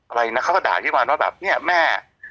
อะไรนะเขาก็ด่าพี่วันว่าแบบเนี่ยแม่